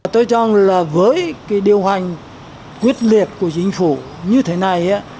tôi cho rằng là với cái điều hành quyết liệt của chính phủ như thế này